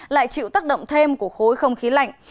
lại chịu tác động thêm của khối không khí lạnh